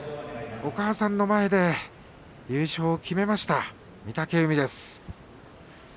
お母さんの前で優勝を決めました御嶽海です。